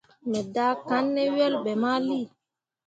Me daakanne ne yelbe mali.